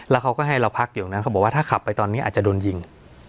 แล้วเขาก็ให้เราพักอยู่ตรงนั้นเขาบอกว่าถ้าขับไปตอนนี้อาจจะโดนยิง